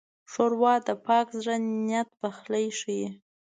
ښوروا د پاک زړه نیت پخلی ښيي.